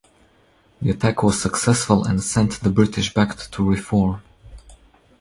The attack was successful and sent the British back to reform.